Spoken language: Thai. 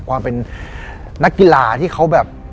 ความเป็นนักกีฬาที่เขาแบบ